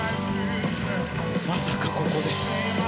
まさか、ここで。